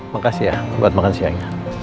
makasih ya buat makan siangnya